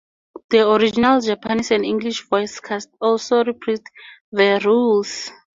The original Japanese and English voice cast also reprised their roles.